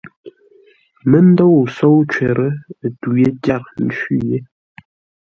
Ə́ mə́ ndôu sóu cwər, tû yé tyâr ńcwí yé.